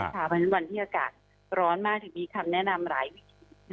หลังจากวันที่อากาศร้อนมากมีคำแนะนำหลายวิธี